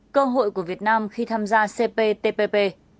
cơ hội của việt nam khi tham gia cptpp